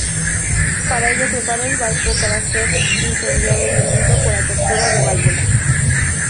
Para ello preparó el barco para ser incendiado y hundido por apertura de válvulas.